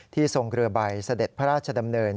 ทรงเรือใบเสด็จพระราชดำเนิน